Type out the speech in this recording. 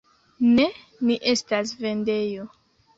Ne, ni estas vendejo.